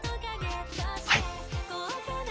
はい。